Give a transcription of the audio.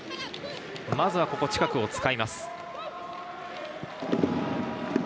まずは近くを使います。